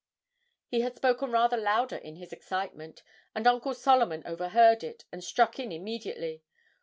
He had spoken rather louder in his excitement, and Uncle Solomon overheard it, and struck in immediately.